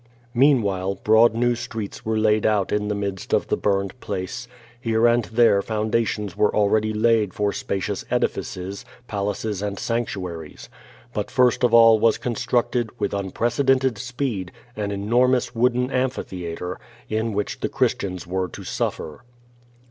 Meanwhile, broad new streets were laid out in the midst of the burned place. Here and there foundations were al ready laid for spacious edifices, palaces, and sanctuaries. But first of all was constructed, with unprecedented speed, an enormous wooden amphitheatre, in which the Christians were to suffer.